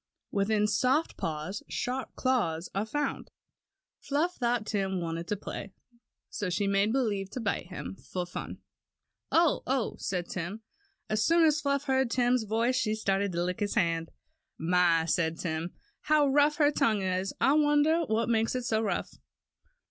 "Within soft paws sharp claws are found." Fluff thought Tim wanted to play, so she made believe to bite him, just for fun. "Oh! oh!" said Tim. As soon as Fluff heard Tim's voice she started to lick his hand. . "My!" said Tim, "how rough her tongue is, I wonder what makes it so rough."